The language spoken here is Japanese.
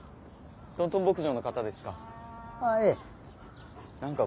トントン牧場の方ですか？